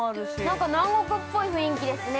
◆なんか南国っぽい雰囲気ですね。